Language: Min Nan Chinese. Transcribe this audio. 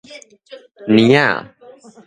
年仔